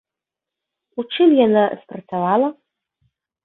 У чым яна спрацавала?